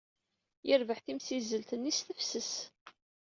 Yerbeḥ timsizzelt-nni s tefses.